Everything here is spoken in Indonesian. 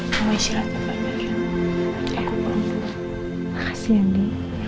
kamu isilah coba aja